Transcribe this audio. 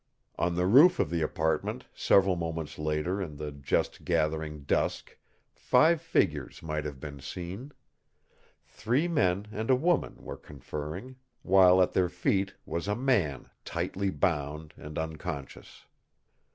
On the roof of the apartment several moments later in the just gathering dusk five figures might have been seen. Three men and a woman were conferring, while at their feet was a man tightly bound and unconscious.